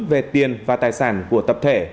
về tiền và tài sản của tập thể